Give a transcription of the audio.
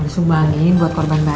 dibuangin buat korban bencana